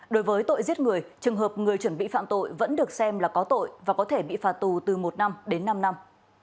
đối với tội giết người trường hợp người chuẩn bị phạm tội vẫn được xem là có tội và có thể bị phạt tù từ một năm đến năm năm